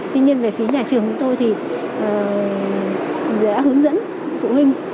tuy nhiên về phía nhà trường của tôi thì dễ hướng dẫn phụ huynh kỹ về cái cách mà đầu tiên là giữ sức khỏe cho con